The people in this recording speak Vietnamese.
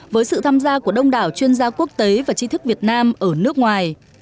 với sự tham gia của đông đảo chuyên gia quốc tế và chi thức việt nam ở nước ngoài